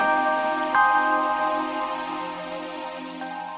tidak tar aku mau ke rumah